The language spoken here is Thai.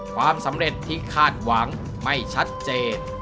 ความสำเร็จที่คาดหวังไม่ชัดเจน